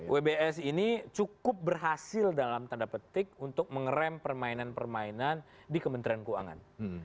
wbs ini cukup berhasil dalam tanda petik untuk mengeram permainan permainan di kementerian keuangan